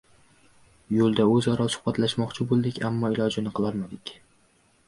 Yo‘lda o‘zaro suhbatlashmoqchi bo‘ldik, ammo ilojini qilolmadik.